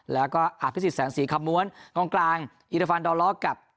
แล้วก็อาภิกษิศแสงศรีขำม้วนของกลางอิทธฟันดอลล็อกกับ